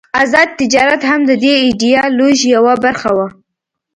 آزاد تجارت هم د دې ایډیالوژۍ یوه برخه وه.